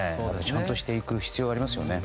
ちゃんとしていく必要がありますね。